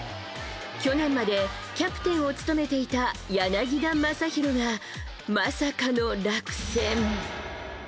去年までキャプテンを務めていた柳田将洋が、まさかの落選。